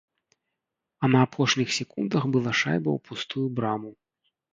А на апошніх секундах была шайба ў пустую браму.